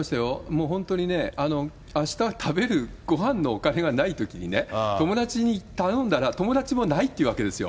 もう本当にね、あした食べるごはんのお金がないときにね、友達に頼んだら、友達もないって言うわけですよ。